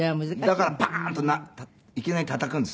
だからバーンといきなり叩くんですね。